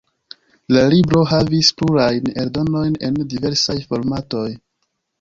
La libro havis plurajn eldonojn en diversaj formatoj.